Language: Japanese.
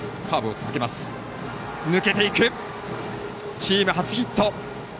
チーム初ヒット。